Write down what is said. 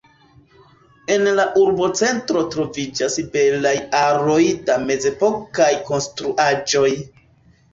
En la urbocentro troviĝas belaj aroj da mezepokaj konstruaĵoj.